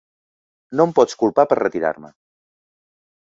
No em pots culpar per retirar-me.